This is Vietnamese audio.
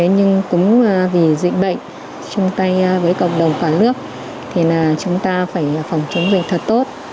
nhưng cũng vì dịch bệnh chung tay với cộng đồng cả nước thì là chúng ta phải phòng chống dịch thật tốt